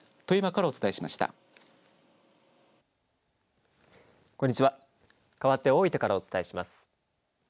かわって大分からお伝えします。